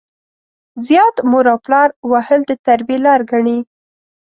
زيات مور او پلار وهل د تربيې لار ګڼي.